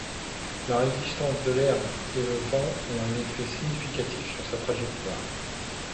La résistance de l’air et le vent ont un effet significatif sur sa trajectoire.